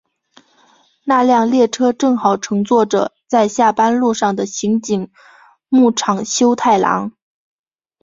那辆列车正好乘坐着在下班路上的刑警木场修太郎。